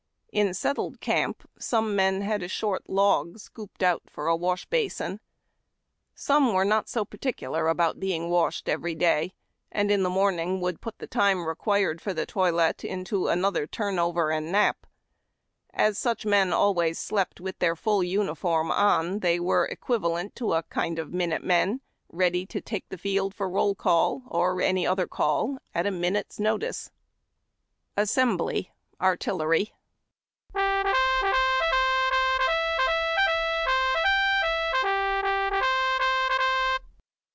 In settled camp, some men had a short log scooped out for a wash basin. Some were not so par ticular about being washed every day, and in the morn ing would put the time re quired for the toilet into another " turn over " and nap. As such men always slept wdtli their full uniform on, they were equivalent to a kind of Minute Men, ready to take the field for roll call, or any other call, at a minute's notice. A CANTEEN WASH. Assembly (artillery).